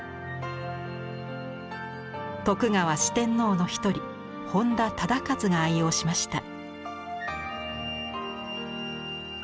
徳川四天王の一人本多忠勝が愛用しました。